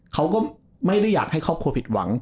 เขาก็ไม่ได้อยากให้ครอบครัวผิดหวัง